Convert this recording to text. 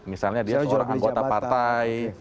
misalnya dia seorang anggota partai